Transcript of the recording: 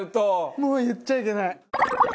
もう言っちゃいけない。